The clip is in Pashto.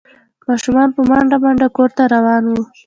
ماشومان په منډه منډه کور ته روان وو۔